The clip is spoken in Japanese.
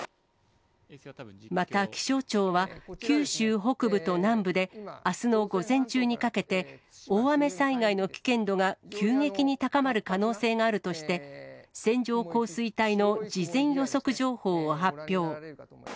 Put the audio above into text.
また、気象庁は九州北部と南部で、あすの午前中にかけて、大雨災害の危険度が急激に高まる可能性があるとして、線状降水帯の事前予測情報を発表。